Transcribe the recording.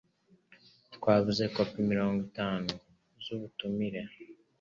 Twabuze kopi mirongo itanu z'ubutumire.